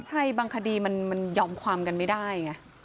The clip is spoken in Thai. ใช่บางคดีมันยอมความกันไม่ได้ไง